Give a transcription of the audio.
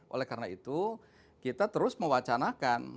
oleh karena itu kita terus mewacanakan